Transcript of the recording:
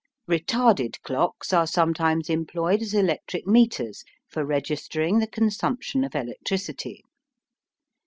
Retarded clocks are sometimes employed as electric meters for registering the consumption of electricity.